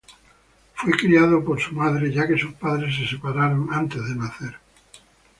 Fue criado por su madre, ya que sus padres se separaron antes de nacer.